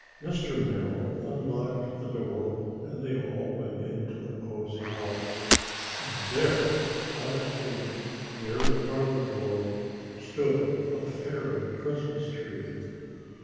Mr. Merrill unlocked the door and they all went into the cosy house. And there, on a table near the parlor door, stood a fairy Christmas tree!